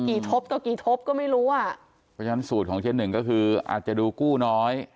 ทบต่อกี่ทบก็ไม่รู้อ่ะเพราะฉะนั้นสูตรของเจ๊หนึ่งก็คืออาจจะดูกู้น้อย